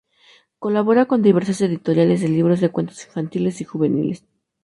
Colabora con diversas editoriales de libros de cuentos infantiles y juveniles.